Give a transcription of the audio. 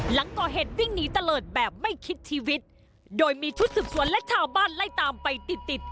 หลังก่อเหตุวิ่งหนีตะเลิศแบบไม่คิดชีวิตโดยมีชุดสืบสวนและชาวบ้านไล่ตามไปติดติด